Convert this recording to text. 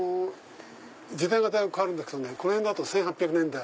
時代がだいぶ変わるんだけどこの辺だと１８００年代。